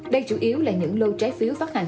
đây chủ yếu là những lô trái phiếu phát hành